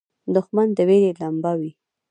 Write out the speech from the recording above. دښمن د وېرې لمبه وي